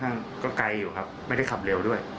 หาโค้กที่นี่